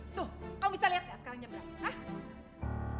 tuh kamu bisa lihat ya sekarang jam berapa